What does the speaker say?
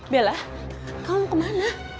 bella kamu mau kemana